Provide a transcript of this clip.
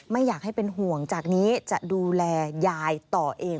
ไม่อยากให้เป็นห่วงจากนี้จะดูแลยายต่อเอง